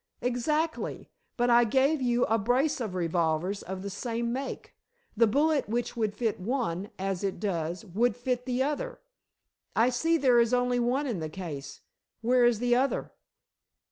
"Exactly. But I gave you a brace of revolvers of the same make. The bullet which would fit one as it does would fit the other. I see there is only one in the case. Where is the other?"